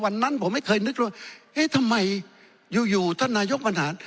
วันนั้นผมไม่เคยนึกว่าเอ๊ะทำไมอยู่ท่านนายกประหลาด